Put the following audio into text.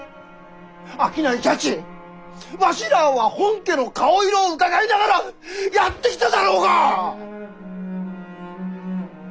商いじゃちわしらあは本家の顔色をうかがいながらやってきたじゃろうが！